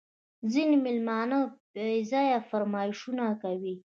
ځیني مېلمانه بېځایه فرمایشونه کوي